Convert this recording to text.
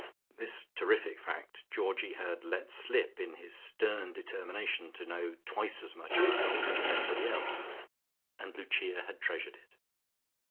This terrific fact Georgie had let slip in his stern determination to know twice as much about Olga as anybody else, and Lucia had treasured it.